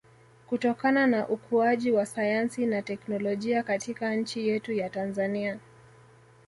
kutokana na ukuaji wa sayansi na technolojia katika nchi yetu ya Tanzania